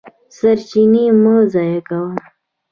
سرچینې مه ضایع کوه.